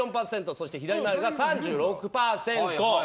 そして左回りが３６％。